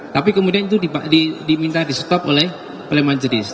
tapi kemudian itu diminta di stop oleh majelis